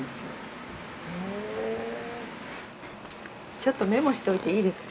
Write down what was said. ちょっとメモしといていいですか？